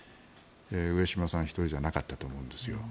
上島さん１人じゃなかったと思うんですよ。